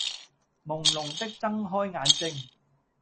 朦朧的睜開眼睛